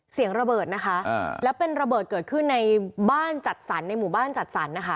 เสียงระเบิดนะคะอ่าแล้วเป็นระเบิดเกิดขึ้นในบ้านจัดสรรในหมู่บ้านจัดสรรนะคะ